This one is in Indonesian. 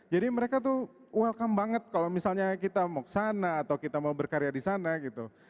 jadi mereka tuh welcome banget kalau misalnya kita mau ke sana atau kita mau berkarya di sana gitu